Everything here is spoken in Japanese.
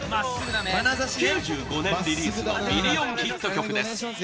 ９５年リリースのミリオンヒット曲です